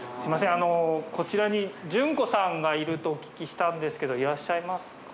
あのこちらに純子さんがいるとお聞きしたんですけどいらっしゃいますか？